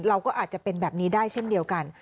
เราก็อาจจะเป็นแบบนี้ได้เช่นเดียวกัน